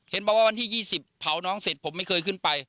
เห็นปะว่าวันที่ยี่สิบเผาน้องเสร็จผมไม่เคยขึ้นไป